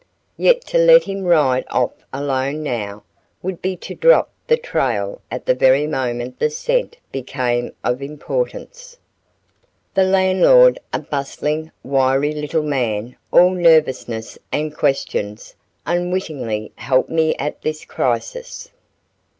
Yet to let him ride off alone now, would be to drop the trail at the very moment the scent became of importance. The landlord, a bustling, wiry little man all nervousness and questions, unwittingly helped me at this crisis.